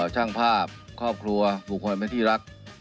ช่างภาพครอบครัวผู้คนที่รักทุกคน